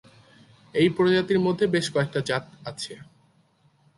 এই প্রজাতির মধ্যে বেশ কয়েকটা জাত আছে।